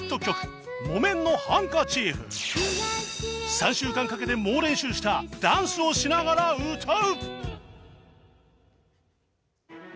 ３週間かけて猛練習したダンスをしながら歌う！